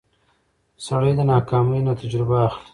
سړی د ناکامۍ نه تجربه اخلي